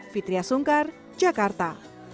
fitriah sungkar jakarta